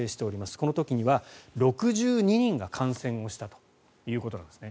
この時には６２人が感染したということなんですね。